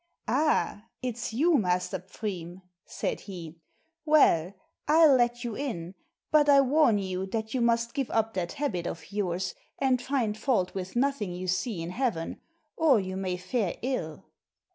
"Ah, it's you, Master Pfriem;" said he, "well, I'll let you in, but I warn you that you must give up that habit of yours, and find fault with nothing you see in heaven, or you may fare ill."